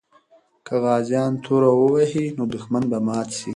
که غازیان تورو وهي، نو دښمن به مات سي.